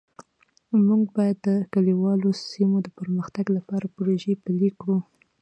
موږ باید د کلیوالو سیمو د پرمختګ لپاره پروژې پلي کړو